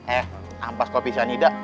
eh ampas kok bisa tidak